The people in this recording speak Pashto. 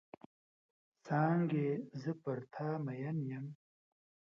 څانګې زه پر تا مئن یم.